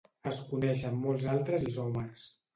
Es coneixen molts altres isòmers.